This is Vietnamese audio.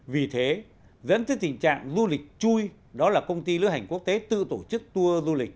vì thế dẫn tới tình trạng du lịch chui đó là công ty lữ hành quốc tế tự tổ chức tour du lịch